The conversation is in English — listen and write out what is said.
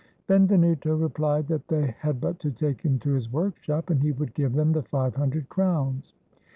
Benvenuto replied that they had but to take him to his workshop, and he would give them the five hundred crowns.